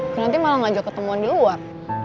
nanti malah ngajak ketemuan di luar